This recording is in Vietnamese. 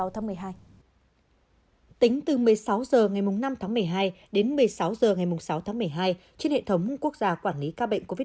tính từ một mươi sáu h ngày năm tháng một mươi hai đến một mươi sáu h ngày sáu tháng một mươi hai trên hệ thống quốc gia quản lý ca bệnh covid một mươi